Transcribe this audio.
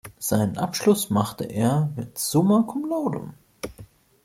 Seinen Abschluss machte er mit summa cum laude.